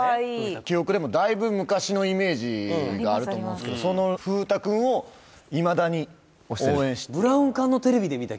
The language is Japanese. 記憶でもだいぶ昔のイメージがあると思うんですけどその風太君をいまだに応援してる